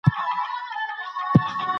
ایا علم مهم دی؟